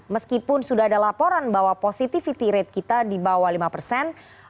meskipun sudah ada laporan bahwa positivity rate kita di bawah lima persen